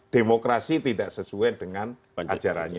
demokrasi tidak sesuai dengan ajarannya